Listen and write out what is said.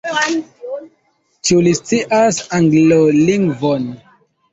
Ĉu li scias Anglolingvon?